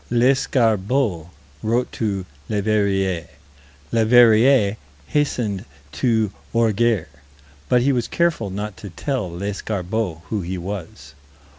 Lescarbault wrote to Leverrier. Leverrier hastened to Orgères. But he was careful not to tell Lescarbault who he was.